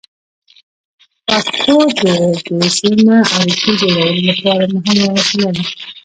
پښتو د بې سیمه اړیکو جوړولو لپاره مهمه وسیله ده.